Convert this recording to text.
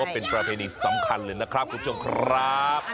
เป็นพระเภนินที่สำคัญเลยครับคุณผู้ชมครับ